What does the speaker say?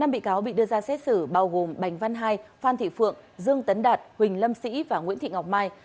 năm bị cáo bị đưa ra xét xử bao gồm bành văn hai phan thị phượng dương tấn đạt huỳnh lâm sĩ và nguyễn thị ngọc mai